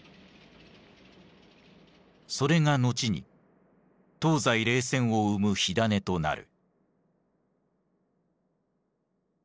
それが後に東西冷戦を生む火種となる。